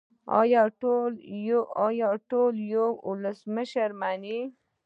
آیا ټول یو ولسمشر مني؟